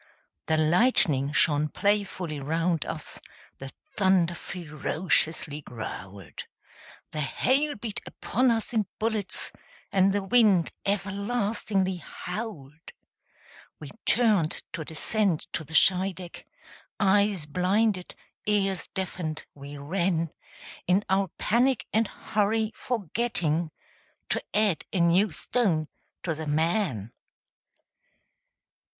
The lightning shone playfully round us; The thunder ferociously growled; The hail beat upon us in bullets; And the wind everlastingly howled. We turned to descend to the Scheideck, Eyes blinded, ears deafened, we ran, In our panic and hurry, forgetting To add a new stone to the man.